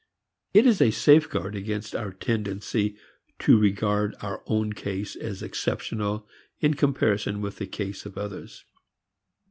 It is a safeguard against our tendency to regard our own case as exceptional in comparison with the case of others.